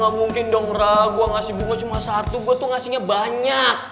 gak mungkin dong rah gue ngasih bunga cuma satu gue tuh ngasihnya banyak